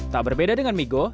tak berbeda dengan migo